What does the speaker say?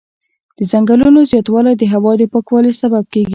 د ځنګلونو زیاتوالی د هوا د پاکوالي سبب کېږي.